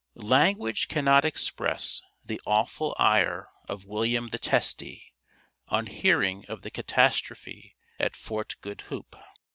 Language cannot express the awful ire of William the Testy on hearing of the catastrophe at Fort Goed Hoop.